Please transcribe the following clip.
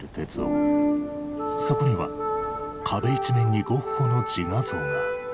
そこには壁一面にゴッホの自画像が。